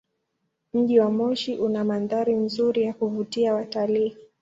Mji wa Moshi una mandhari nzuri ya kuvutia watalii.